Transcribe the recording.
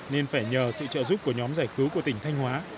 nên phải nhờ sự trợ giúp của nhóm giải cứu của tỉnh thanh hóa